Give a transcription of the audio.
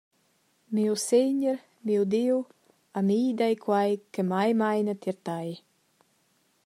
Miu Segner, miu Diu, a mi dai quei che mei meina tier Tei.